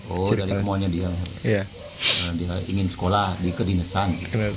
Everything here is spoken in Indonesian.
oh dari semuanya dia ingin sekolah di kedinasan